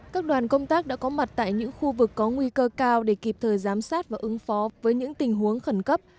các đoàn công tác đã có mặt tại những khu vực có nguy cơ cao để kịp thời giám sát và ứng phó với những tình huống khẩn cấp